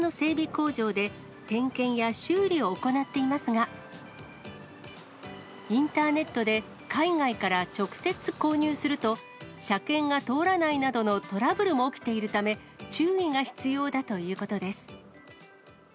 工場で、点検や修理を行っていますが、インターネットで海外から直接購入すると、車検が通らないなどのトラブルも起きているため、注意が必要だということです。